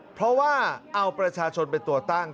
เพราะว่าเอาประชาชนเป็นตัวตั้ง